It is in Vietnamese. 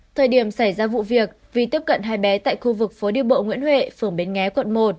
thời điểm xảy ra vụ việc vì tiếp cận hai bé tại khu vực phố đi bộ nguyễn huệ phường bến nghé quận một